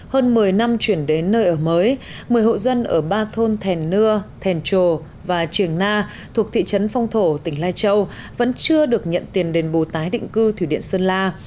hơn một mươi năm chuyển đến nơi ở mới một mươi hộ dân ở ba thôn thèn nưa thèn trồ và trường na thuộc thị trấn phong thổ tỉnh lai châu vẫn chưa được nhận tiền đền bù tái định cư thủy điện sơn la